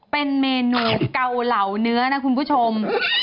เป็นเมนูเกาเหลาเนื้อนะคุณผู้ชม